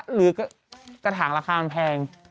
หรือกระถางราคามันแพง